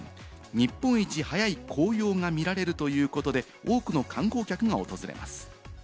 日本一、早い紅葉が見られるということで、多くの観光客が訪れます。